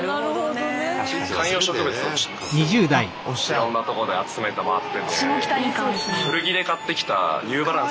いろんなとこで集めて回ってて。